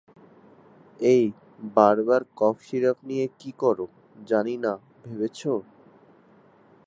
এই বারবার cough syrup নিয়ে, কী করো, জানিনা ভেবেছ?